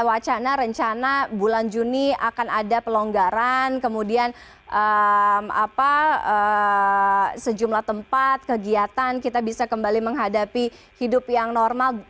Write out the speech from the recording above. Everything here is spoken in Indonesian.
wacana rencana bulan juni akan ada pelonggaran kemudian sejumlah tempat kegiatan kita bisa kembali menghadapi hidup yang normal